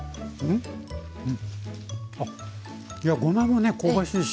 あごまもね香ばしいし。